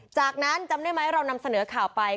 จากนั้นจำได้ไหมเรานำเสนอข่าวไป